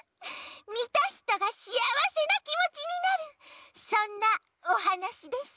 みたひとがしあわせなきもちになるそんなおはなしです。